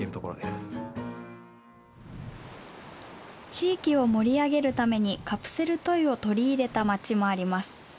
地域を盛り上げるためにカプセルトイを取り入れた町もあります。